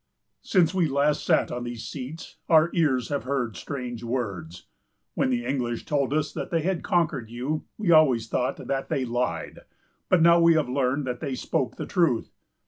"Since we last sat on these seats, our ears have heard strange words. When the English told us that they had conquered you, we always thought that they lied; but now we have learned that they spoke the truth.